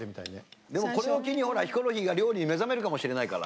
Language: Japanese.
これを機に、ヒコロヒーが料理に目覚めるかもしれないから。